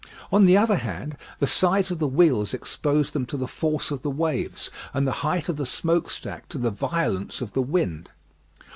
On the other hand, the size of the wheels exposed them to the force of the waves, and the height of the smoke stack to the violence of the wind.